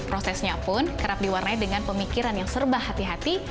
prosesnya pun kerap diwarnai dengan pemikiran yang serba hati hati